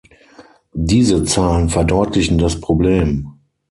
Diese Zahlen verdeutlichen das Problem.